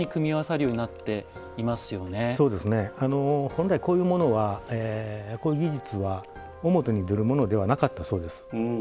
本来こういうものはこういう技術は表に出るものではなかったそうです。